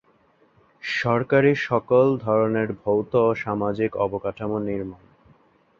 সরকারী সকল ধরনের ভৌত ও সামাজিক অবকাঠামো নির্মাণ।